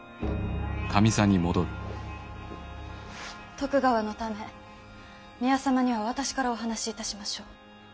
徳川のため宮様には私からお話しいたしましょう。